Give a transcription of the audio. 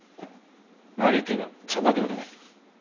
悪いけど茶葉でお願い。